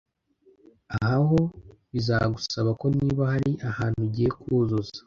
Aha ho bizagusaba ko niba hari ahantu ugiye kuzuza